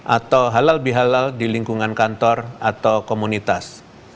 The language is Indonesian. atau halal bihalal di lingkungan kantor atau komunitas